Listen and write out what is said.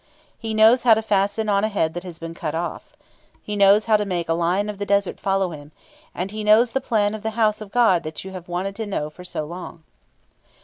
He knows how to fasten on a head that has been cut off. He knows how to make a lion of the desert follow him, and he knows the plan of the house of God that you have wanted to know for so long."